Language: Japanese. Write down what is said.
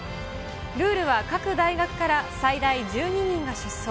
ルールは各大学から最大１２人が出走。